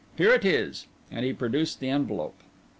Here it is,' and he produced the envelope.